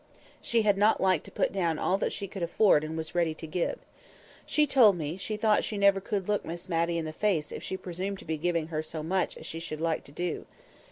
She had not liked to put down all that she could afford and was ready to give. She told me she thought she never could look Miss Matty in the face again if she presumed to be giving her so much as she should like to do.